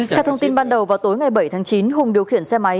theo thông tin ban đầu vào tối ngày bảy tháng chín hùng điều khiển xe máy